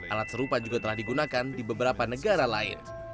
alat serupa juga telah digunakan di beberapa negara lain